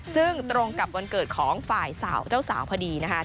ซึ่งตรงกับวันเกิดของฝ่ายสาวเจ้าสาวพอดีนะคะ